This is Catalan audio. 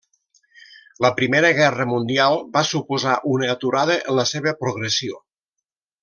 La Primera Guerra Mundial va suposar una aturada en la seva progressió.